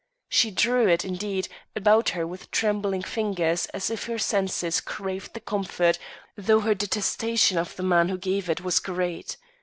She drew it, indeed, about her with trembling fingers as if her senses craved the comfort though her detestation of the man who gave it was great.